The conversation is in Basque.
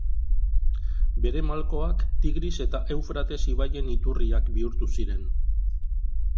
Bere malkoak Tigris eta Eufrates ibaien iturriak bihurtu ziren.